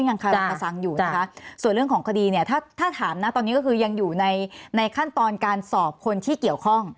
ยังคาสังอยู่นะคะส่วนเรื่องของคดีเนี่ยถ้าถ้าถามนะตอนนี้ก็คือยังอยู่ในขั้นตอนการสอบคนที่เกี่ยวข้อง